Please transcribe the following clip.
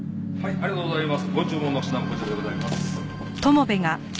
ありがとうございます。